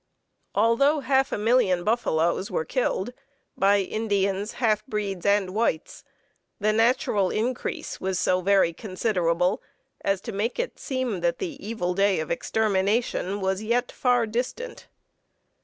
Although half a million buffaloes were killed by Indians, half breeds, and whites, the natural increase was so very considerable as to make it seem that the evil day of extermination was yet far distant.